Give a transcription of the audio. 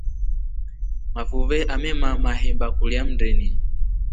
Mafuve amemaama mahemba kulya mndeni.